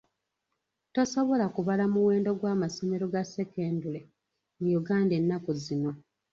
Tosobola kubala muwendo gw'amasomero ga ssekondale mu Uganda ennaku zino.